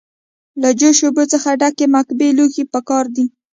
له جوش اوبو څخه ډک مکعبي لوښی پکار دی.